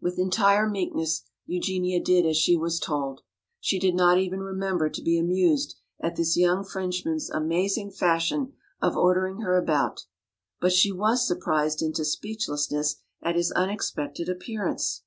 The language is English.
With entire meekness Eugenia did as she was told. She did not even remember to be amused at this young Frenchman's amazing fashion of ordering her about. But she was surprised into speechlessness at his unexpected appearance.